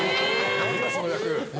・何だその役。